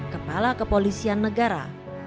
kepala kepolisian negara